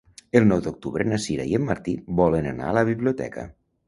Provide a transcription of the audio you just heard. El nou d'octubre na Sira i en Martí volen anar a la biblioteca.